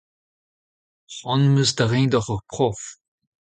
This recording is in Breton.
C'hoant am eus da reiñ deoc'h ur prof.